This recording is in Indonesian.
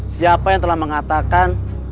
siapa yang telah mengatakan